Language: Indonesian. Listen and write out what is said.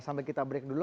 sambil kita break dulu